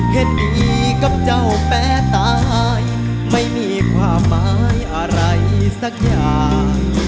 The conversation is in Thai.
เห็นมีกับเจ้าแป้ตายไม่มีความหมายอะไรสักอย่าง